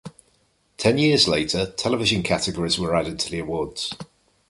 Ten years later, television categories were added to the awards.